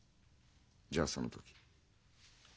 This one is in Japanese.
じゃあその時。